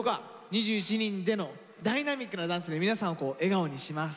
２１人でのダイナミックなダンスで皆さんを笑顔にします。